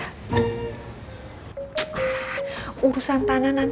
apalagi kebawahnya warga duit